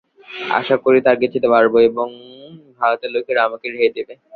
আশা করি, তা কিছুটা পাব এবং ভারতের লোকেরা আমাকে রেহাই দেবে।